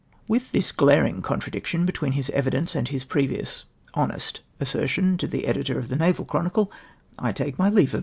With this irlarino' contradiction between his evidence and his previous honest assertion to the editor of the Naval Chronicle, I take my leave of ]\Ii'.